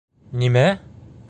«Нимә?!»